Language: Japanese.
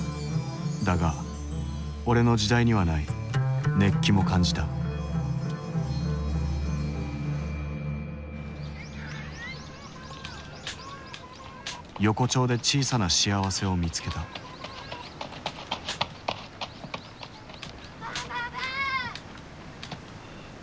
だが俺の時代にはない熱気も感じた横町で小さな幸せを見つけたバンバンバン！